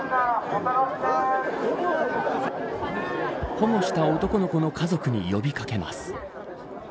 保護した男の子の家族に呼び掛けます。